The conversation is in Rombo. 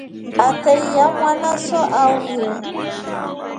Ateiya mwanaso auye.